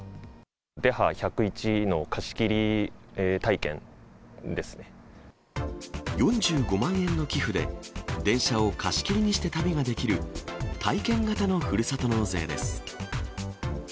デハ１０１の貸し切り体験で４５万円の寄付で、電車を貸し切りにして旅ができる、体験型のふるさと納税です。